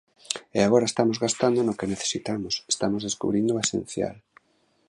E agora estamos gastando no que necesitamos, estamos descubrindo o esencial.